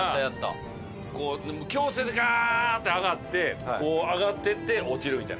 強制でガーッて上がってこう上がってって落ちるみたいな。